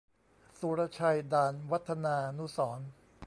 สุรชัย ด่านวัฒนานุสรณ์